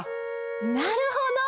なるほど！